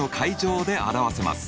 で表せます。